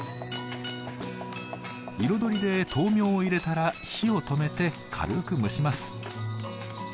彩りで豆苗を入れたら火を止めて軽く蒸します。